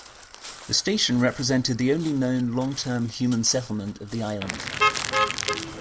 The station represented the only known long-term human settlement of the Island.